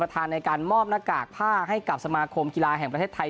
พูดว่าการกายกีฬาแห่งประเทศไทย